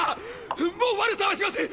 もう悪さはしません！